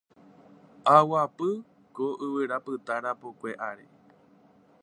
Aguapy ku yvyrapytã rapokue ári